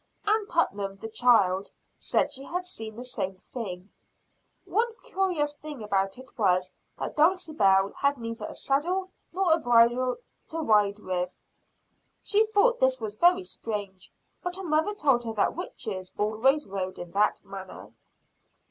Ann Putnam, the child, said she had seen the same thing. One curious thing about it was that Dulcibel had neither a saddle nor a bridle to ride with. She thought this was very strange; but her mother told her that witches always rode in that manner.